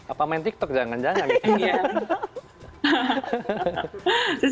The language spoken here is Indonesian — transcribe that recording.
apa main tiktok jangan jangan nih ya